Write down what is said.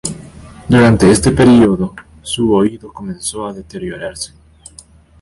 Durante este período, su oído comenzó a deteriorarse.